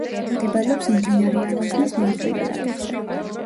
მდებარეობს მდინარე ალაზნის მარჯვენა ნაპირზე.